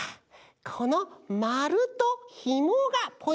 このまるとひもがポイントなんだね。